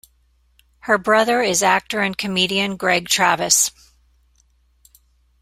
Her brother is actor and comedian Greg Travis.